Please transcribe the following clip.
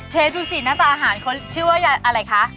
ดูสิหน้าตาอาหารเขาชื่อว่าอะไรคะ